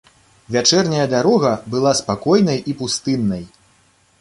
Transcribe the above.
Вячэрняя дарога была спакойнай і пустыннай.